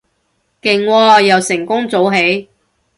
勁喎，又成功早起